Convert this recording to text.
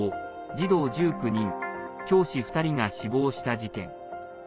児童１９人、教師２人が死亡した事件。